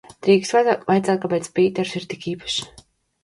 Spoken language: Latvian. Drīkst vaicāt, kāpēc Pīters ir tik īpašs?